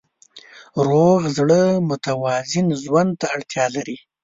روغ زړه متوازن ژوند ته اړتیا لري.